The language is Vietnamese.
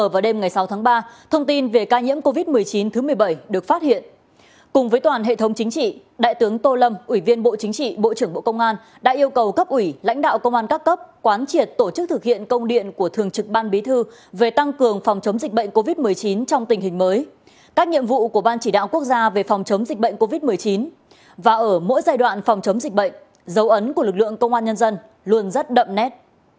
và ở mỗi giai đoạn phòng chống dịch bệnh dấu ấn của lực lượng công an nhân dân luôn rất đậm nét